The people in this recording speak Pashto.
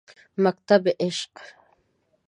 مکتبِ عشق